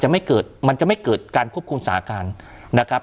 ไม่เกิดมันจะไม่เกิดการควบคุมสาการนะครับ